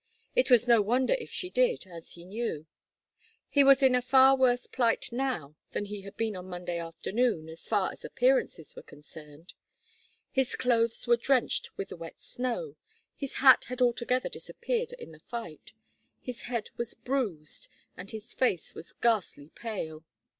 It was no wonder if she did, as he knew. He was in a far worse plight now than he had been on Monday afternoon, as far as appearances were concerned. His clothes were drenched with the wet snow, his hat had altogether disappeared in the fight, his head was bruised, and his face was ghastly pale.